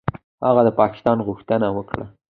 هغه د پاکستان غوښتنه وکړه.